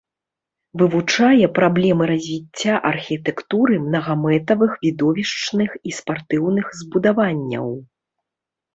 Вывучае праблемы развіцця архітэктуры мнагамэтавых відовішчных і спартыўных збудаванняў.